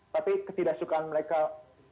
tapi ketidaksukaan mereka terhadap trump itu juga